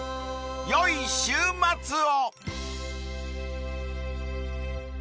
［よい週末を］